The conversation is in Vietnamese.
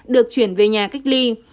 được chuyển về nhà cách ly